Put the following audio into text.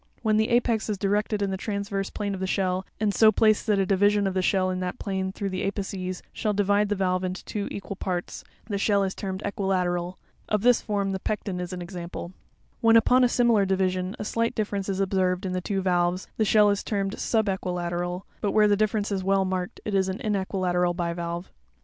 When the apex is directed in the transverse plane of the shell, and so placed, that a division of the shell in that plane through the apices shall divide the valve into two equal parts, the shell is termed equilateral ; of this form the Pecten (fig. 91) is an example, 9 : 98 PARTS OF BIVALVE SHELLS. When upon a similar division, a slight difference is observed in the two valves, the shell is termed subequilateral ; but where the difference is well marked, it is an énequilateral bivalve (fig. 117).